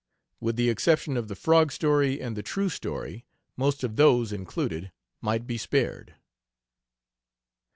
With the exception of the frog story and the "True Story" most of those included might be spared.